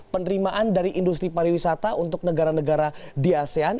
penerimaan dari industri pariwisata untuk negara negara di asean